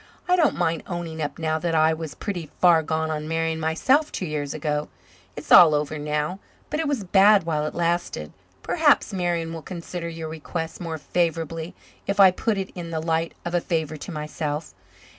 "I don't mind owning up now that I was pretty far gone on Marian myself two years ago. It's all over now, but it was bad while it lasted. Perhaps Marian will consider your request more favourably if I put it in the light of a favour to myself.